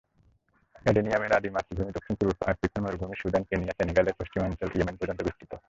অ্যাডেনিয়ামের আদি মাতৃভূমি দক্ষিণ-পূর্ব আফ্রিকার মরুভূমি, সুদান, কেনিয়া, সেনেগালের পশ্চিমাঞ্চল, ইয়েমেন পর্যন্ত বিস্তৃত।